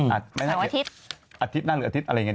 อาทิตย์